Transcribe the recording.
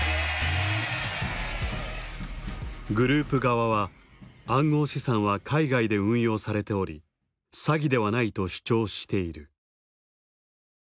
グループ側は暗号資産は海外で運用されており詐欺ではないと主張している。